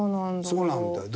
そうなんだよ。